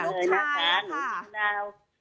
โทษนะครับขอเริ่มให้ค่ะ